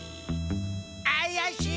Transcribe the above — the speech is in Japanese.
あやしい！